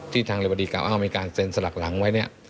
ที่ทางลิวดีกราวเอามาการเซ็นสลักหลังไว้เนี่ย